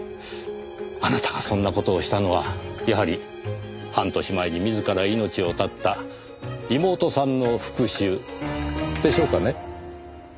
あなたがそんな事をしたのはやはり半年前に自ら命を絶った妹さんの復讐でしょうかね？